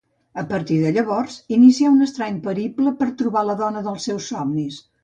A partir de llavors inicia un estrany periple per trobar la dona dels seus somnis.